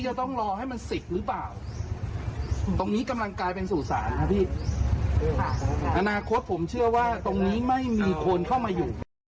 อนาคตผมเชื่อว่าตรงนี้ไม่มีคนเข้ามาอยู่